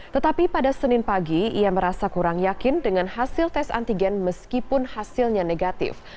tetapi pada senin pagi ia merasa kurang yakin dengan hasil tes antigen meskipun hasilnya negatif